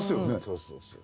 そうそうそう。